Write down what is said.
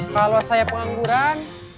kalau saya pengangguran